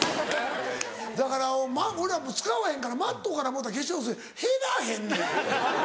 だから俺はもう使わへんからＭａｔｔからもろうた化粧水減らへんねん。